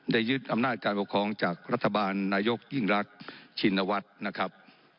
ยึดอำนาจการปกครองจากรัฐบาลนายกยิ่งรักชินวัฒน์นะครับ